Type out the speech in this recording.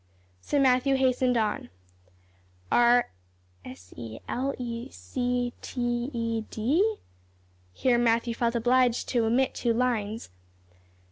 So Matthew hastened on, "'are s e l e c t e d '" Here Matthew felt obliged to omit two lines.